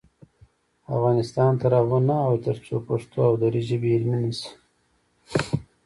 افغانستان تر هغو نه ابادیږي، ترڅو پښتو او دري ژبې علمي نشي.